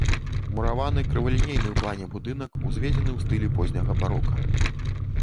Мураваны, крывалінейны ў плане будынак узведзены ў стылі позняга барока.